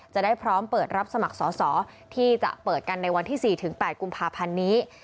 จะได้พร้อมเปิดรับสมัครสอสอที่จะเปิดกันในวันที่๔๘กุมภาพันธ์นี้